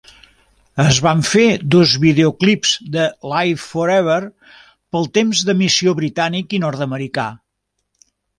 Es van fer dos videoclips de "Live Forever" pel temps d'emissió britànic i nord-americà.